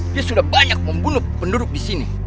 dia sudah banyak membunuh penduduk di sini